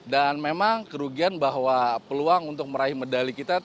dan memang kerugian bahwa peluang untuk meraih medali kita